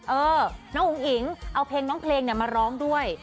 เออน้องอุ๋งอิ๋งเอาเพลงน้องเพลงมาร้องด้วย